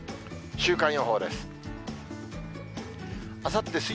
週間予報です。